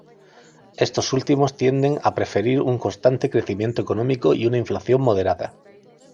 Estos últimos tienden a preferir un constante crecimiento económico y una inflación moderada.